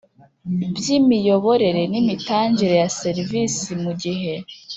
by imiyoborere n imitangire ya serivisi mu gihe